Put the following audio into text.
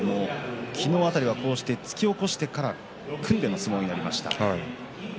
昨日は突き起こしてから組んでの相撲になりました。